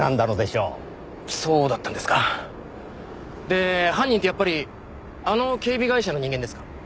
で犯人ってやっぱりあの警備会社の人間ですか？